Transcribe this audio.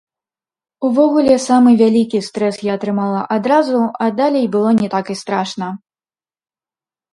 Увогуле, самы вялікі стрэс я атрымала адразу, а далей было не так і страшна.